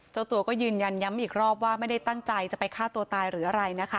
เจ้าตัวก็ยืนยันย้ำอีกรอบว่าไม่ได้ตั้งใจจะไปฆ่าตัวตายหรืออะไรนะคะ